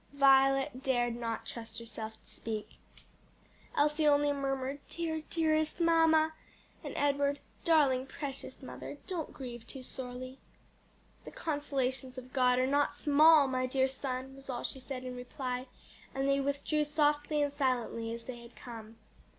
Violet dared not trust herself to speak. Elsie only murmured, "Dear, dearest mamma!" and Edward, "Darling, precious mother, don't grieve too sorely." "The consolations of God are not small! my dear son," was all she said in reply, and they withdrew softly and silently as they had come.